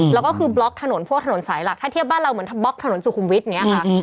แล้วก็คือบล็อกถนนพวกถนนสายหลักถ้าเทียบบ้านเราเหมือนบล็อกถนนสุขุมวิทย์อย่างนี้ค่ะ